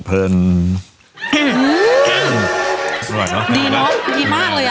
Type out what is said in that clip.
สวยเนอะดีเนอะดีมากเลยอ่ะ